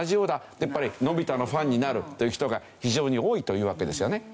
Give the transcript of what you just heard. やっぱりのび太のファンになるという人が非常に多いというわけですよね。